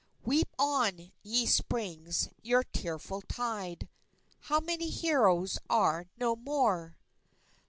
Weep on, ye springs, your tearful tide; How many heroes are no more!